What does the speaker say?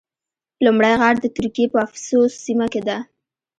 لومړی غار د ترکیې په افسوس سیمه کې ده.